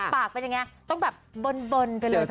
ปากเป็นยังไงต้องแบบเบิร์นไปเลย